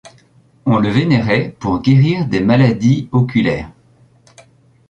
On le vénérait pour guérir des maladies oculaires.